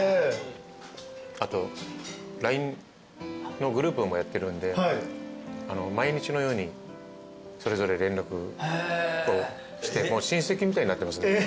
あとＬＩＮＥのグループもやってるんで毎日のようにそれぞれ連絡をして親戚みたいになってます。